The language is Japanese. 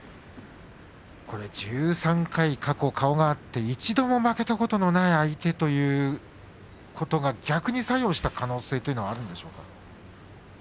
これ１３回、顔が合って一度も負けたことのない相手ということが逆に作用した可能性というのはあるんでしょうか。